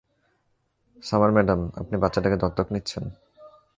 Summer madam, আপনি বাচ্চাটাকে দত্তক নিচ্ছেন?